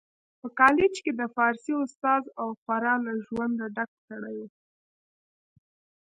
په کالج کي د فارسي استاد او خورا له ژونده ډک سړی و